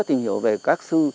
tìm hiểu về các sư